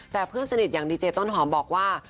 แต่เพื่อนสนิทอย่างดีเจต้นหอมบอกว่า